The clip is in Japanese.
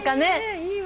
いいわ。